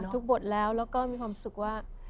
บทแล้วแล้วก็มีความสุขว่า